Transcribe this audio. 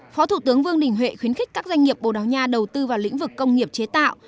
phó thủ tướng vương đình huệ khuyến khích các doanh nghiệp bồ đào nha đầu tư vào lĩnh vực công nghiệp chế tạo